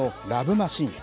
マシーン。